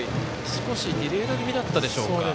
少しディレ−ド気味だったでしょうか。